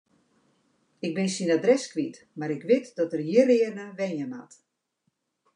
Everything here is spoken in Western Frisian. Ik bin syn adres kwyt, mar ik wit dat er hjirearne wenje moat.